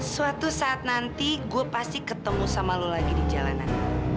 suatu saat nanti gue pasti ketemu sama lo lagi di jalanan